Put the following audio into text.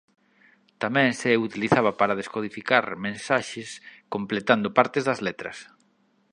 Tamén se utilizaba para descodificar mensaxes completando partes das letras.